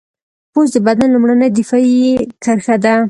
پوست د بدن لومړنۍ دفاعي کرښه ده.